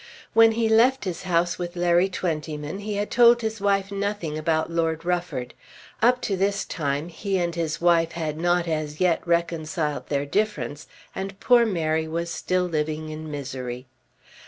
When he left his house with Larry Twentyman he had told his wife nothing about Lord Rufford. Up to this time he and his wife had not as yet reconciled their difference, and poor Mary was still living in misery.